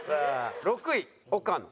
６位岡野。